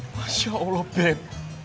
masya allah beb